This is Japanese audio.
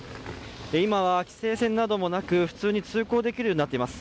今は規制線などもなく、普通に通行できるようになっています。